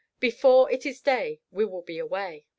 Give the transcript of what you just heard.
Before it is day we will be away.